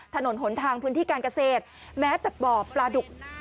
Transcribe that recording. ถนนหนทางพื้นที่การเกษตรแม้แต่บ่อปลาดุก